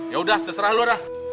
ya udah terserah lo dah